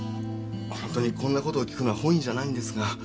本当にこんな事を聞くのは本意じゃないんですが。